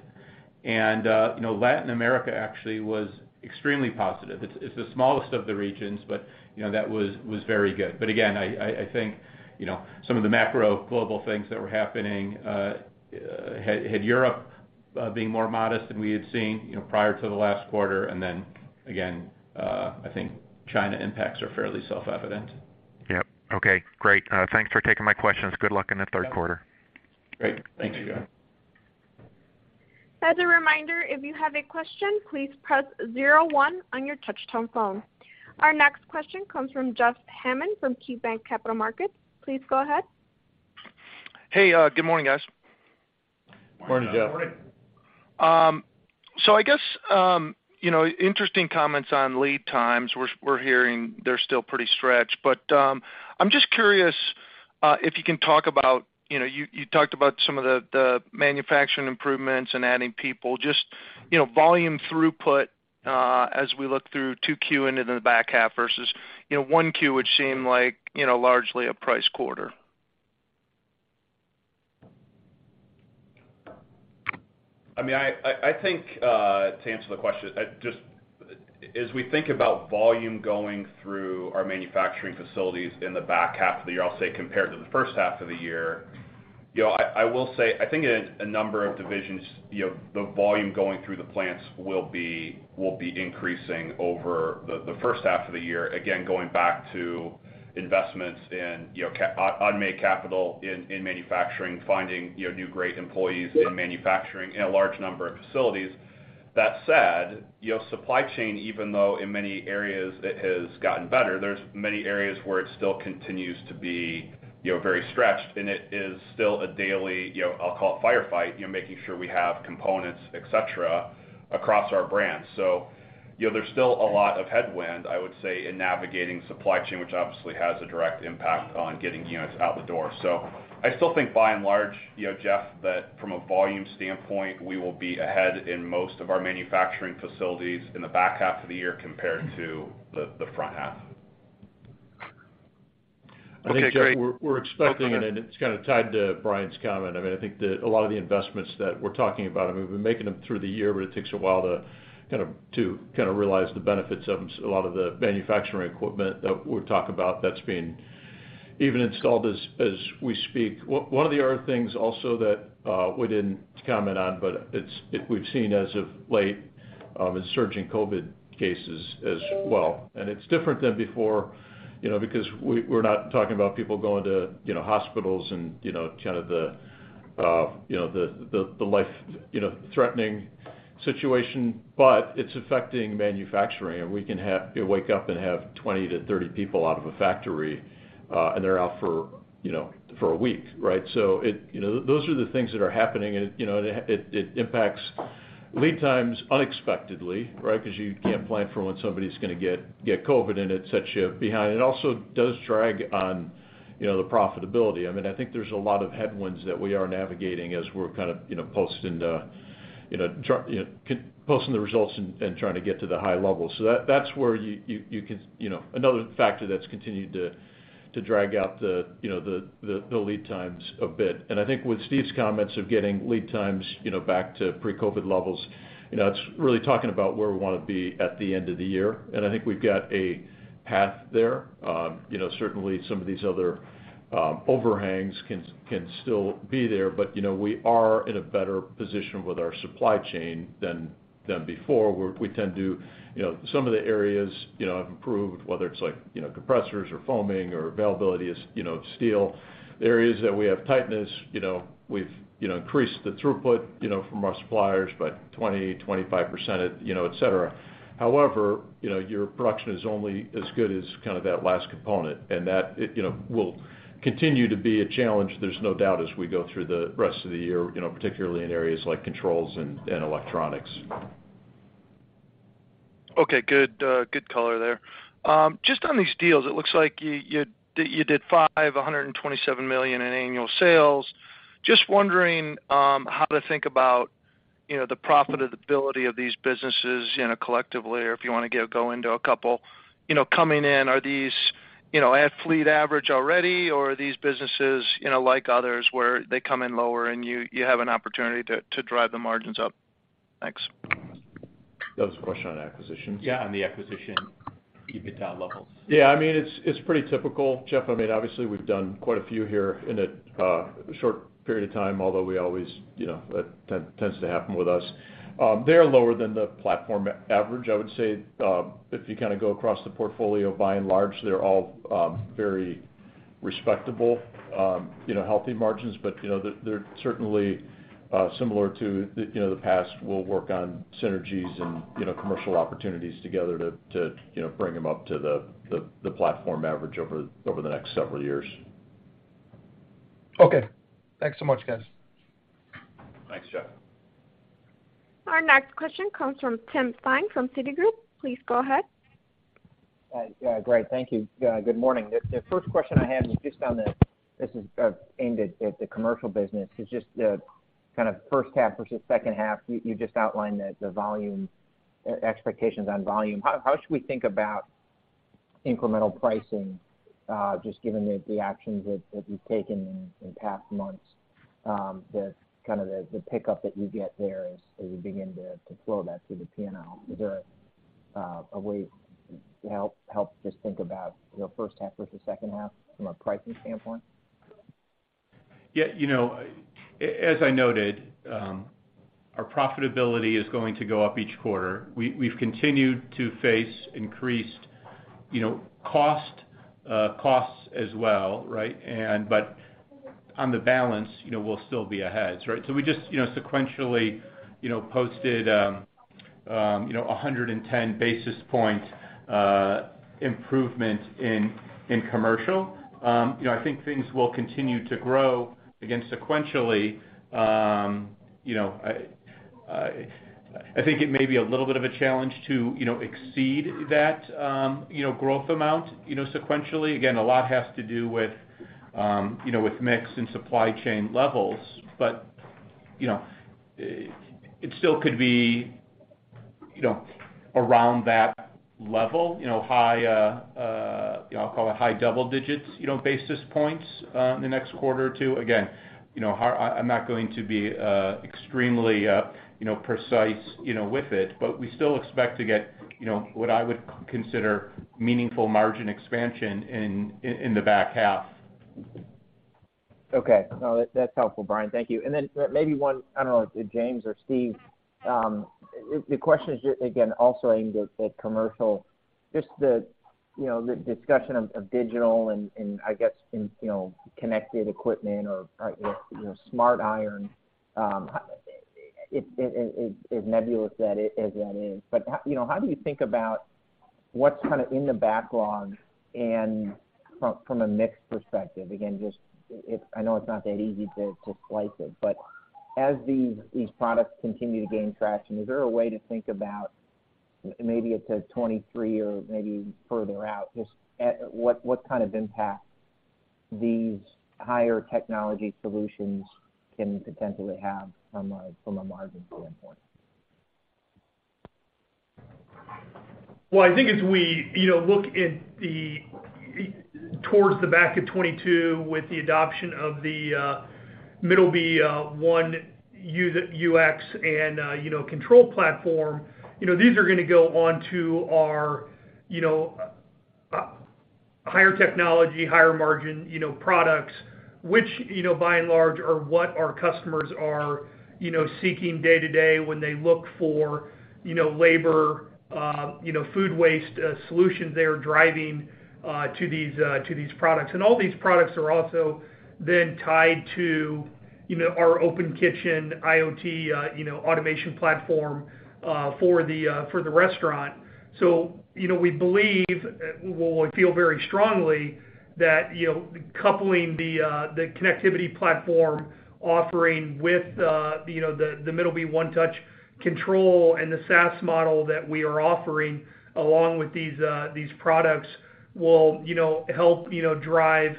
You know, Latin America actually was extremely positive. It's the smallest of the regions, but, you know, that was very good. Again, I think, you know, some of the macro global things that were happening had Europe being more modest than we had seen, you know, prior to the last quarter. Then again, I think China impacts are fairly self-evident. Yep. Okay, great. Thanks for taking my questions. Good luck in the third quarter. Great. Thanks, Joe. As a reminder, if you have a question, please press zero one on your touch tone phone. Our next question comes from Jeff Hammond from KeyBanc Capital Markets. Please go ahead. Hey, good morning, guys. Morning, Jeff. Morning. I guess, you know, interesting comments on lead times we're hearing they're still pretty stretched. But, I'm just curious, if you can talk about, you know, you talked about some of the manufacturing improvements and adding people just, you know, volume throughput, as we look through 2Q and into the back half versus, you know, 1Q, which seemed like, you know, largely a price quarter. I mean, I think to answer the question, just as we think about volume going through our manufacturing facilities in the back half of the year, I'll say compared to the first half of the year, you know, I will say I think in a number of divisions, you know, the volume going through the plants will be increasing over the first half of the year. Again, going back to investments in, you know, capital in manufacturing, finding, you know, new great employees in manufacturing in a large number of facilities. That said, you know, supply chain, even though in many areas it has gotten better, there's many areas where it still continues to be, you know, very stretched, and it is still a daily, you know, I'll call it firefight, you know, making sure we have components, et cetera, across our brands. You know, there's still a lot of headwind, I would say, in navigating supply chain, which obviously has a direct impact on getting units out the door. I still think by and large, you know, Jeff, that from a volume standpoint, we will be ahead in most of our manufacturing facilities in the back half of the year compared to the front half. Okay, great. I think, Jeff, we're expecting. Oh, go ahead. It's kind of tied to Bryan's comment. I mean, I think that a lot of the investments that we're talking about, I mean, we've been making them through the year, but it takes a while to kind of realize the benefits of a lot of the manufacturing equipment that we talk about that's being even installed as we speak. One of the other things also that we didn't comment on, but it's we've seen as of late is surging COVID cases as well. It's different than before, you know, because we're not talking about people going to, you know, hospitals and, you know, kind of the, you know, the life, you know, threatening situation, but it's affecting manufacturing. We can wake up and have 20-30 people out of a factory, and they're out for, you know, for a week, right? You know, those are the things that are happening, and, you know, it impacts lead times unexpectedly, right? Because you can't plan for when somebody's gonna get COVID and it sets you behind. It also does drag on, you know, the profitability. I mean, I think there's a lot of headwinds that we are navigating as we're kind of, you know, posting the results and trying to get to the high level. That's where you can, you know, another factor that's continued to drag out the lead times a bit. I think with Steve's comments of getting lead times, you know, back to pre-COVID levels, you know, it's really talking about where we wanna be at the end of the year. I think we've got a path there. You know, certainly some of these other overhangs can still be there, but, you know, we are in a better position with our supply chain than before. We tend to, you know, some of the areas, you know, have improved, whether it's like, you know, compressors or foaming or availability of, you know, steel. The areas that we have tightness, you know, we've increased the throughput, you know, from our suppliers by 25%, you know, et cetera. However, you know, your production is only as good as kind of that last component, and that, it, you know, will continue to be a challenge. There's no doubt, as we go through the rest of the year, you know, particularly in areas like controls and electronics. Okay, good color there. Just on these deals, it looks like you did $527 million in annual sales. Just wondering how to think about, you know, the profitability of these businesses, you know, collectively, or if you wanna go into a couple. You know, coming in, are these, you know, at fleet average already, or are these businesses, you know, like others, where they come in lower and you have an opportunity to drive the margins up? Thanks. That was a question on acquisitions? Yeah, on the acquisition EBITDA levels. Yeah, I mean, it's pretty typical, Jeff. I mean, obviously we've done quite a few here in a short period of time, although we always, you know, that tends to happen with us. They are lower than the platform average. I would say, if you kind of go across the portfolio by and large, they're all very respectable, you know, healthy margins. But, you know, they're certainly Similar to the past, you know, we'll work on synergies and, you know, commercial opportunities together to you know, bring them up to the platform average over the next several years. Okay. Thanks so much, guys. Thanks, Jeff. Our next question comes from Tim Thein from Citigroup. Please go ahead. Yeah, great. Thank you. Good morning. The first question I had was just on this. This is aimed at the commercial business. It's just the kind of first half versus second half. You just outlined the volume expectations on volume. How should we think about incremental pricing, just given the actions that you've taken in past months, the kind of the pickup that you get there as you begin to flow that through the P&L? Is there a way to help just think about, you know, first half versus second half from a pricing standpoint? Yeah, you know, as I noted, our profitability is going to go up each quarter. We've continued to face increased, you know, costs as well, right? On the balance, you know, we'll still be ahead, right? We just, you know, sequentially, you know, posted 110 basis points improvement in commercial. You know, I think things will continue to grow again sequentially. I think it may be a little bit of a challenge to exceed that growth amount sequentially. Again, a lot has to do with mix and supply chain levels. You know, it still could be, you know, around that level, you know, high, you know, I'll call it high double digits, you know, basis points in the next quarter or two. Again, you know, I'm not going to be extremely, you know, precise, you know, with it, but we still expect to get, you know, what I would consider meaningful margin expansion in the back half. Okay. No, that's helpful, Bryan. Thank you. Maybe one, I don't know, to James or Steve, the question is just again, also aimed at commercial. Just the, you know, discussion of digital and I guess, you know, connected equipment or, you know, smart iron, as nebulous as that is. But, you know, how do you think about what's kind of in the backlog and from a mix perspective? Again, I know it's not that easy to slice it. But as these products continue to gain traction, is there a way to think about maybe 2023 or maybe further out, what kind of impact these higher technology solutions can potentially have from a margin standpoint? Well, I think as we, you know, look towards the back of 2022 with the adoption of the Middleby OneTouch and, you know, control platform, you know, these are gonna go on to our, you know, higher technology, higher margin, you know, products, which, you know, by and large are what our customers are, you know, seeking day-to-day when they look for, you know, labor, you know, food waste solutions they are driving to these products. All these products are also then tied to, you know, our Open Kitchen IoT, you know, automation platform for the restaurant. You know, we believe, well, I feel very strongly that, you know, coupling the connectivity platform offering with, you know, the Middleby OneTouch control and the SaaS model that we are offering along with these products will, you know, help, you know, drive,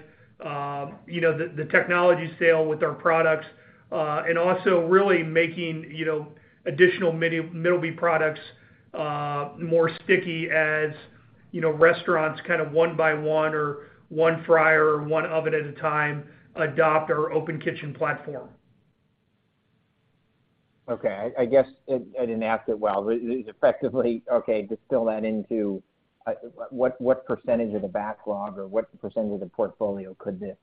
you know, the technology sale with our products, and also really making, you know, additional Middleby products, more sticky as, you know, restaurants kind of one by one or one fryer or one oven at a time adopt our Open Kitchen platform. Okay. I guess I didn't ask it well. Effectively, okay, distill that into what percentage of the backlog or what percentage of portfolio could this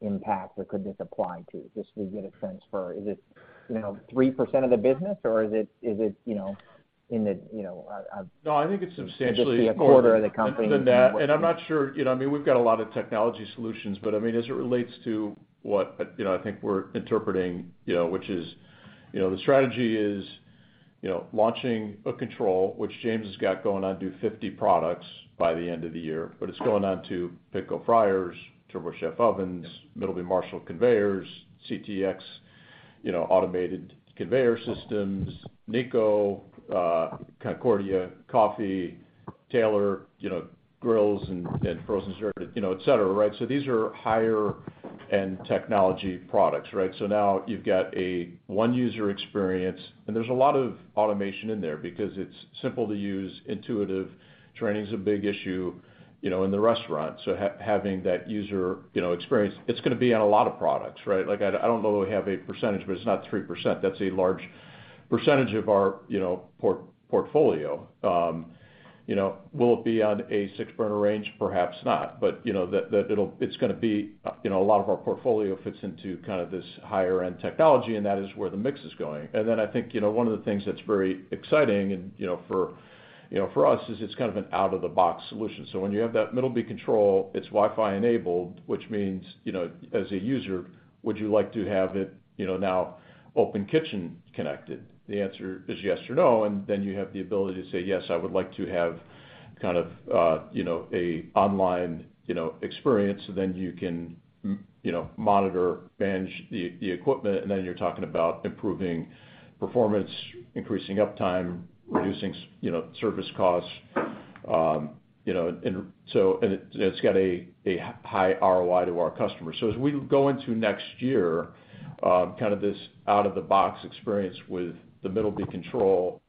impact or could this apply to? Just so we get a sense for. Is it, you know, 3% of the business or is it, you know, in the, you know. No, I think it's substantially more. Could this be a quarter of the company? More than that. I'm not sure, you know, I mean, we've got a lot of technology solutions, but I mean, as it relates to what, you know, I think we're interpreting, you know, which is, you know, the strategy is, you know, launching OneTouch, which James has got going on to 50 products by the end of the year. It's going on to Pitco fryers, TurboChef ovens, Middleby Marshall conveyors, CTX, you know, automated conveyor systems, Nieco, Concordia coffee, Taylor, you know, grills and frozen yogurt, you know, et cetera, right? These are higher-end technology products, right? Now you've got a OneTouch user experience, and there's a lot of automation in there because it's simple to use, intuitive. Training's a big issue, you know, in the restaurant, so having that user, you know, experience, it's gonna be on a lot of products, right? Like, I don't know if we have a percentage, but it's not 3%. That's a large percentage of our, you know, portfolio. You know, will it be on a six-burner range? Perhaps not. But you know, it's gonna be, you know, a lot of our portfolio fits into kind of this higher-end technology, and that is where the mix is going. Then I think, you know, one of the things that's very exciting and, you know, for us is it's kind of an out-of-the-box solution. When you have that Middleby control, it's Wi-Fi enabled, which means, you know, as a user, would you like to have it, you know, now Open Kitchen connected? The answer is yes or no. You have the ability to say, "Yes, I would like to have kind of, you know, a online, you know, experience." Then you can you know, monitor, manage the equipment, and then you're talking about improving performance, increasing uptime, reducing service costs. You know, it it's got a high ROI to our customers. As we go into next year, kind of this out-of-the-box experience with the Middleby control,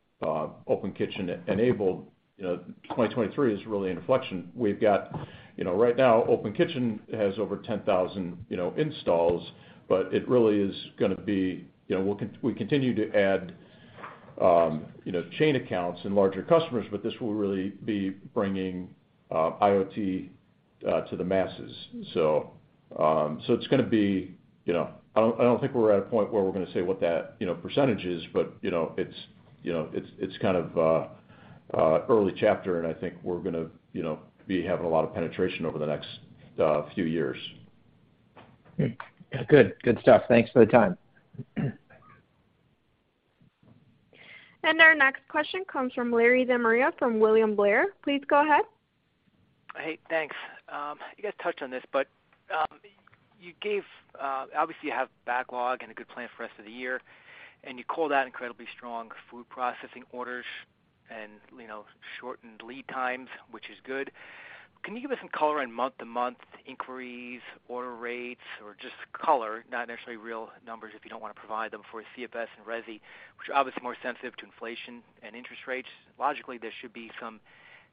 Open Kitchen enabled, you know, 2023 is really an inflection. We've got. You know, right now, Open Kitchen has over 10,000, you know, installs, but it really is gonna be. You know, we continue to add, you know, chain accounts and larger customers, but this will really be bringing IoT to the masses. It's gonna be. You know, I don't think we're at a point where we're gonna say what that, you know, percentage is, but you know, it's kind of an early chapter, and I think we're gonna, you know, be having a lot of penetration over the next few years. Good. Good stuff. Thanks for the time. Our next question comes from Larry DeMaria from William Blair. Please go ahead. Hey, thanks. You guys touched on this, but you gave. Obviously, you have backlog and a good plan for the rest of the year, and you call that incredibly strong food processing orders and, you know, shortened lead times, which is good. Can you give us some color on month-to-month inquiries, order rates or just color, not necessarily real numbers if you don't wanna provide them for CFS and resi, which are obviously more sensitive to inflation and interest rates? Logically, there should be some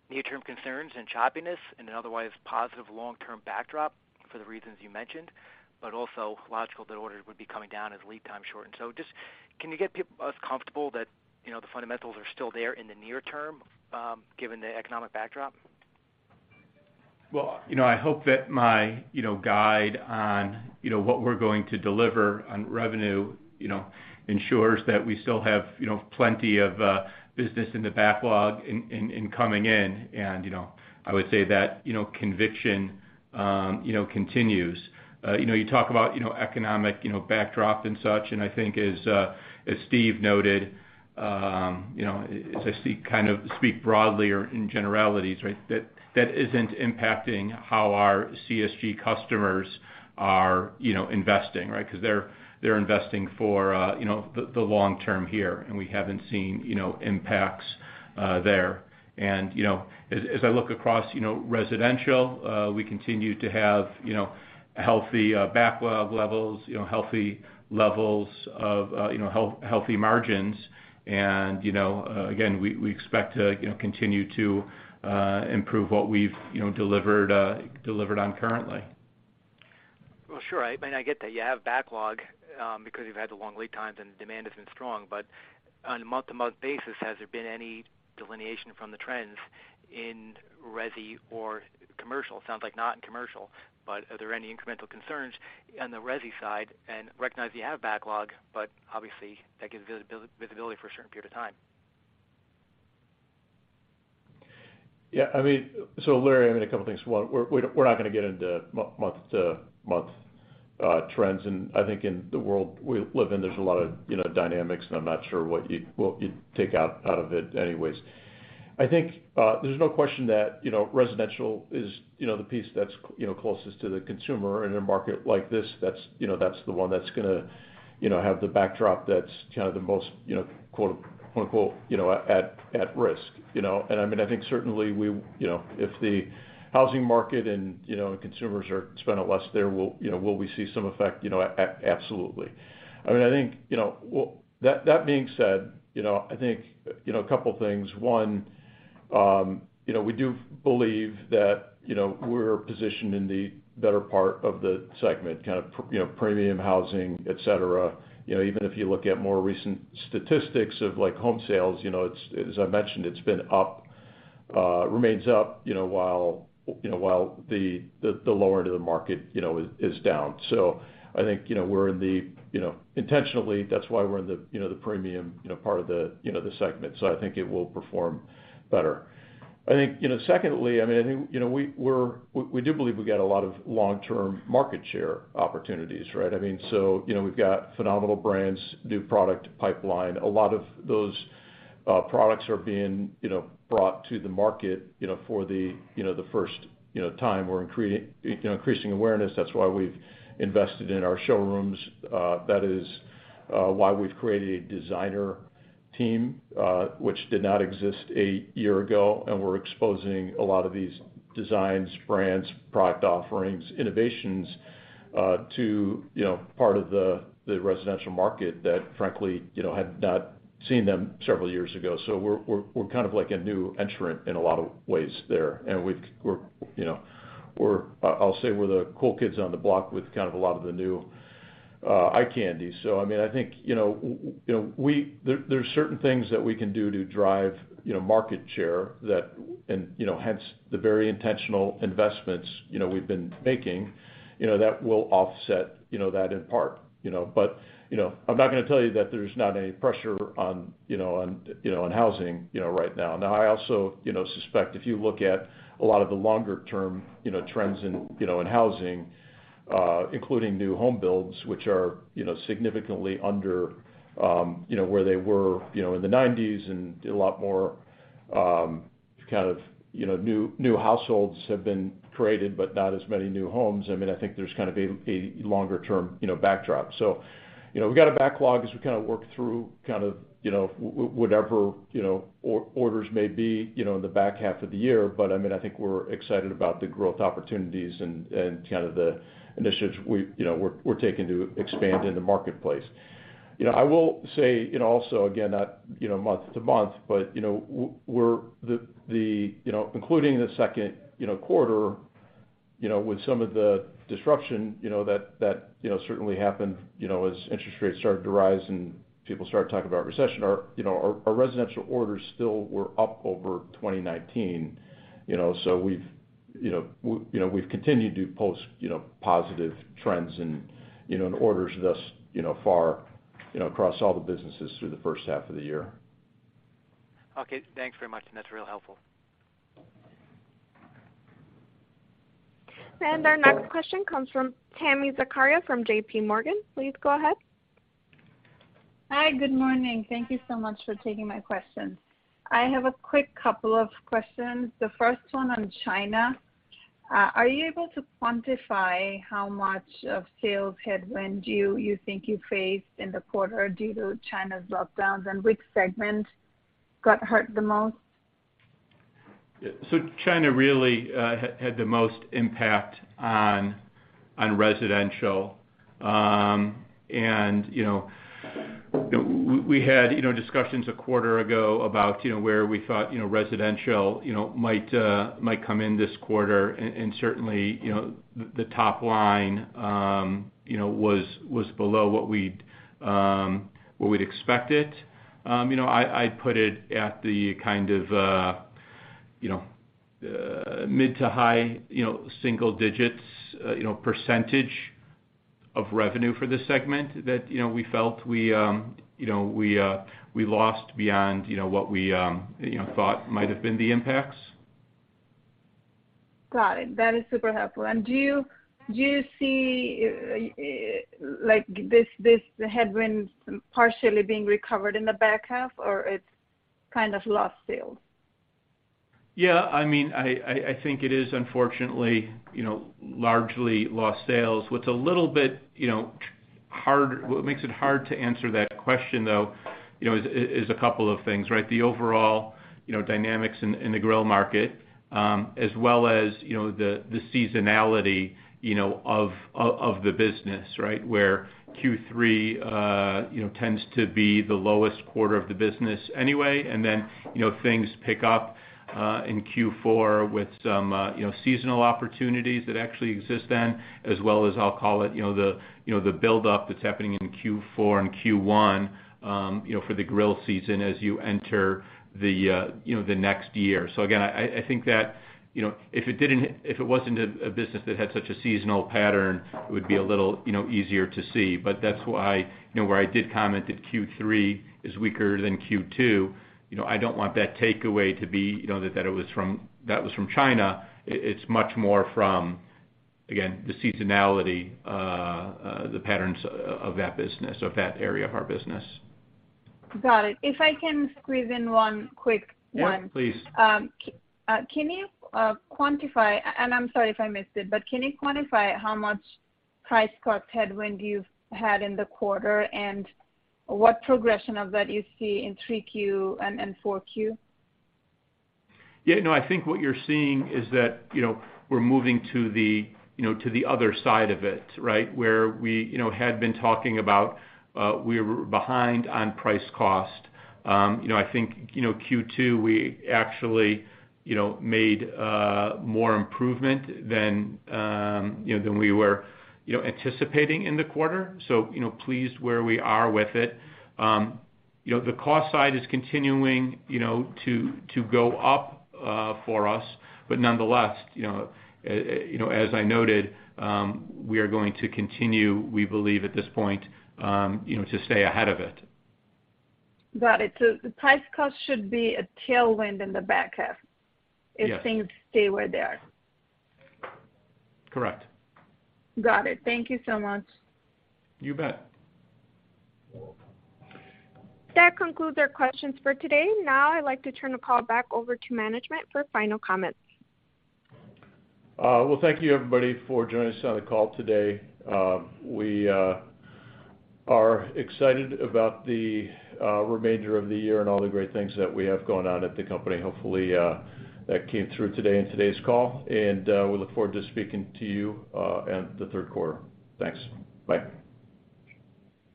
near-term concerns and choppiness in an otherwise positive long-term backdrop for the reasons you mentioned, but also logical that orders would be coming down as lead time shortens. Just, can you get us comfortable that, you know, the fundamentals are still there in the near term, given the economic backdrop? Well, you know, I hope that my you know, guide on you know, what we're going to deliver on revenue, you know, ensures that we still have you know, plenty of business in the backlog in coming in. You know, I would say that you know, conviction continues. You know, you talk about you know, economic you know, backdrop and such, and I think as Steve noted you know, as I see kind of speak broadly or in generalities, right? That isn't impacting how our CSG customers are you know, investing, right? 'Cause they're investing for you know, the long term here, and we haven't seen you know, impacts there. You know, as I look across, you know, Residential, we continue to have, you know, healthy backlog levels, you know, healthy levels of, you know, healthy margins. You know, again, we expect to, you know, continue to improve what we've, you know, delivered on currently. Well, sure. I mean, I get that you have backlog, because you've had the long lead times and demand has been strong. On a month-to-month basis, has there been any delineation from the trends in resi or commercial? It sounds like not in commercial, but are there any incremental concerns on the resi side? Recognize you have backlog, but obviously, that gives visibility for a certain period of time. Yeah. I mean, Larry, I mean, a couple things. One, we're not gonna get into month-to-month trends. I think in the world we live in, there's a lot of, you know, dynamics, and I'm not sure what you'd take out of it anyways. I think, there's no question that, you know, Residential is, you know, the piece that's, you know, closest to the consumer. In a market like this, that's, you know, that's the one that's gonna, you know, have the backdrop that's kind of the most, you know, quote, unquote, you know, at risk, you know? I mean, I think certainly we. You know, if the housing market and, you know, consumers are spending less there, will we see some effect? You know, absolutely. I mean, I think, you know. Well, that being said, you know, I think, you know, a couple things. One, you know, we do believe that, you know, we're positioned in the better part of the segment, kind of premium housing, et cetera. You know, even if you look at more recent statistics of like home sales, you know, it's, as I mentioned, it's been up, remains up, you know, while, you know, while the lower end of the market, you know, is down. I think, you know, we're in the, you know, intentionally. That's why we're in the, you know, the premium, you know, part of the, you know, the segment. I think it will perform better. I think, you know, secondly, I mean, I think, you know, we do believe we got a lot of long-term market share opportunities, right? I mean, you know, we've got phenomenal brands, new product pipeline. A lot of those products are being, you know, brought to the market, you know, for the first time. We're increasing awareness. That's why we've invested in our showrooms. That is why we've created a designer team, which did not exist a year ago, and we're exposing a lot of these designs, brands, product offerings, innovations to, you know, part of the residential market that frankly, you know, had not seen them several years ago. We're kind of like a new entrant in a lot of ways there. I'll say we're the cool kids on the block with kind of a lot of the new eye candy. I mean, I think, you know, there's certain things that we can do to drive, you know, market share that you know, hence the very intentional investments, you know, we've been making, you know, that will offset, you know, that in part, you know. I'm not gonna tell you that there's not any pressure on, you know, on housing, you know, right now. Now, I also, you know, suspect if you look at a lot of the longer term, you know, trends in, you know, in housing, including new home builds, which are, you know, significantly under, you know, where they were, you know, in the nineties and a lot more kind of, you know, new households have been created, but not as many new homes. I mean, I think there's kind of a longer term, you know, backdrop. You know, we've got a backlog as we kind of work through kind of, you know, whatever, you know, orders may be, you know, in the back half of the year. I mean, I think we're excited about the growth opportunities and kind of the initiatives we're taking to expand in the marketplace. You know, I will say, you know, also again, not, you know, month to month, but, you know, we're. You know, including the second quarter, you know, with some of the disruption, you know, that certainly happened, you know, as interest rates started to rise and people started talking about recession, our residential orders still were up over 2019. You know, we've continued to post, you know, positive trends and orders thus, you know, far, you know, across all the businesses through the first half of the year. Okay, thanks very much. That's real helpful. Our next question comes from Tami Zakaria from JPMorgan. Please go ahead. Hi, good morning. Thank you so much for taking my questions. I have a quick couple of questions. The first one on China. Are you able to quantify how much of sales headwind you think you faced in the quarter due to China's lockdowns, and which segment got hurt the most? China really had the most impact on Residential. We had discussions a quarter ago about where we thought Residential might come in this quarter. Certainly, the top line was below what we'd expected. I'd put it at the kind of mid- to high-single-digit digits percentage of revenue for this segment that we felt we lost beyond what we thought might have been the impacts. Got it. That is super helpful. Do you see, like, this headwinds partially being recovered in the back half, or it's kind of lost sales? Yeah, I mean, I think it is unfortunately, you know, largely lost sales. What makes it hard to answer that question, though, you know, is a couple of things, right? The overall, you know, dynamics in the grill market, as well as, you know, the seasonality, you know, of the business, right? Where Q3 tends to be the lowest quarter of the business anyway. You know, things pick up in Q4 with some, you know, seasonal opportunities that actually exist then, as well as I'll call it, you know, the buildup that's happening in Q4 and Q1, you know, for the grill season as you enter the next year. Again, I think that, you know, if it wasn't a business that had such a seasonal pattern, it would be a little, you know, easier to see. That's why, you know, where I did comment that Q3 is weaker than Q2, you know, I don't want that takeaway to be, you know, that it was from China. It's much more from, again, the seasonality, the patterns of that business or that area of our business. Got it. If I can squeeze in one quick one. Yeah, please. I'm sorry if I missed it, but can you quantify how much price cost headwind you've had in the quarter, and what progression of that you see in 3Q and 4Q? Yeah, no, I think what you're seeing is that, you know, we're moving to the, you know, to the other side of it, right? Where we, you know, had been talking about, we were behind on price cost. You know, I think, you know, Q2, we actually, you know, made more improvement than, you know, than we were, you know, anticipating in the quarter. You know, pleased where we are with it. You know, the cost side is continuing, you know, to go up for us. But nonetheless, you know, as I noted, we are going to continue, we believe at this point, you know, to stay ahead of it. Got it. The price cost should be a tailwind in the back half. Yes. If things stay where they are. Correct. Got it. Thank you so much. You bet. That concludes our questions for today. Now I'd like to turn the call back over to management for final comments. Well, thank you everybody for joining us on the call today. We are excited about the remainder of the year and all the great things that we have going on at the company. Hopefully, that came through today in today's call, and we look forward to speaking to you at the third quarter. Thanks. Bye.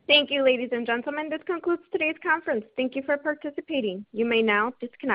Thank you, ladies and gentlemen. This concludes today's conference. Thank you for participating. You may now disconnect.